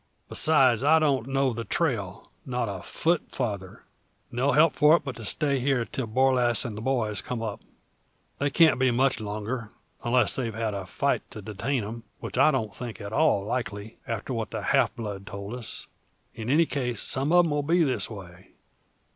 Besides I don't know the trail, not a foot farther. No help for it but stay here till Borlasse and the boys come up. They can't be much longer, unless they've had a fight to detain them; which I don't think at all likely, after what the half blood told us. In any case some of them will be this way.